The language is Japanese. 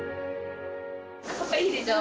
かわいいでしょ。